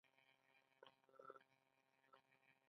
افسوس افسوس چې ته هم داسې کارونه کوې